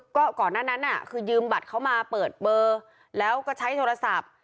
ก็ก่อนหน้านั้นน่ะคือยืมบัตรเขามาเปิดเบอร์แล้วก็ใช้โทรศัพท์